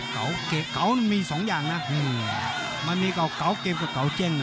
เก่ามันมีสองอย่างนะมันมีเก่าเกมกับเก่าเจ้ง